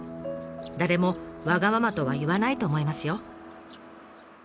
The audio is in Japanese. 誰もわがままとは言わないと思いますよ。